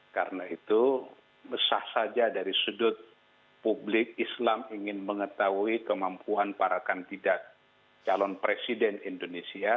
karena itu besah saja dari sudut publik islam ingin mengetahui kemampuan para kandidat calon presiden indonesia